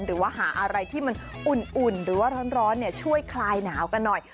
หรือว่าหาอะไรที่มันอุ่นหรือว่าร้อนช่วยคลายหนาวกันหน่อย